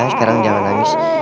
sekarang jangan nangis